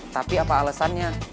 tapi apa alesannya